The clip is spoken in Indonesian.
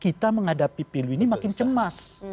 kita menghadapi pilu ini makin cemas